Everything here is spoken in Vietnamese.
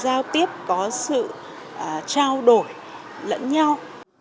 giao tiếp có sự trao đổi lẫn nhau